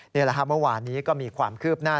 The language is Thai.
นี่แหละครับเมื่อวานนี้ก็มีความคืบหน้า